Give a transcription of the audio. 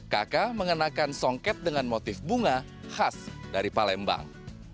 kaka mengenakan songket dengan motif bunga khas dari palembang